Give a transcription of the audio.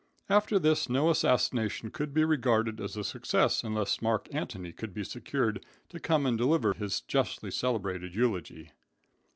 After this no assassination could be regarded as a success, unless Mark Antony could be secured to come and deliver his justly celebrated eulogy.